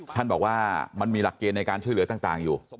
ท่านบอกว่ามันมีหลักเกณฑ์ในการช่วยเหลือต่างอยู่